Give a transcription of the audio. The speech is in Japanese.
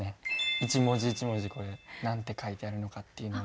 一文字一文字これ何て書いてあるのかっていうのが。